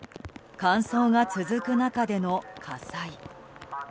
乾燥が続く中での火災。